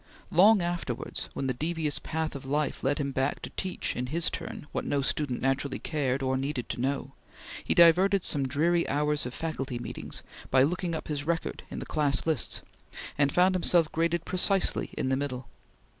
Long afterwards, when the devious path of life led him back to teach in his turn what no student naturally cared or needed to know, he diverted some dreary hours of faculty meetings by looking up his record in the class lists, and found himself graded precisely in the middle.